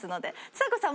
ちさ子さん